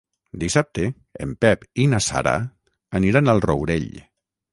Dissabte en Pep i na Sara aniran al Rourell.